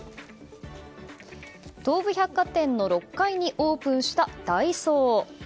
東武百貨店の６階にオープンしたダイソー。